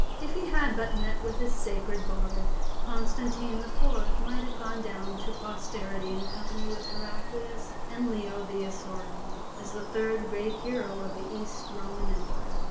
If he had but met with his "sacred bard," Constantine IV. might have gone down to posterity in company with Heraclius and Leo the Isaurian, as the third great hero of the East Roman Empire.